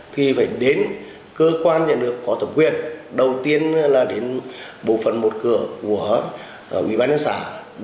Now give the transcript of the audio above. thì phải đến cơ quan nhà nước có tổng quyền đầu tiên là đến bộ phần một cửa của bùi vân sơn